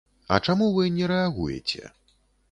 А чаму вы не рэагуеце?